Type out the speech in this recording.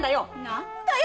何だよ